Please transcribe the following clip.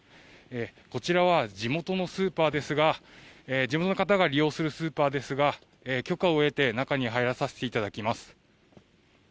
こちらは地元のスーパーですが、地元の方が利用するスーパーですが、許可を得て、中に入らさせていただきます。